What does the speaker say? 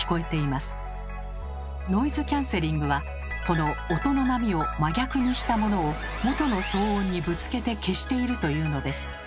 ノイズキャンセリングはこの音の波を真逆にしたものを元の騒音にぶつけて消しているというのです。